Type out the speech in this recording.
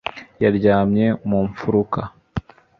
yaryamye mu mfuruka